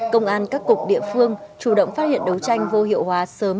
công an các cục địa phương chủ động phát hiện đấu tranh vô hiệu hóa sớm